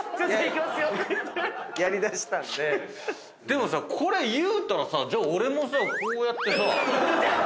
でもさこれいうたらじゃあ俺もこうやって。